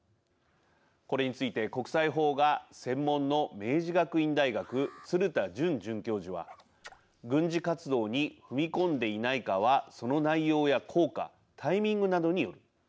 これについて国際法が専門の明治学院大学、鶴田順准教授は軍事活動に踏み込んでいないかはその内容や効果タイミングなどによる。